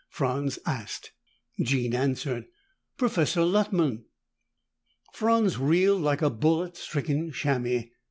Franz asked. Jean answered, "Professor Luttman." Franz reeled like a bullet stricken chamois.